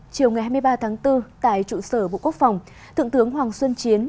chiều ngày hai mươi ba tháng bốn tại trụ sở bộ quốc phòng thượng tướng hoàng xuân chiến